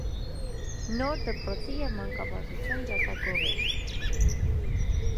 Նոր դպրոցի և մանկավարժության ջատագով էր։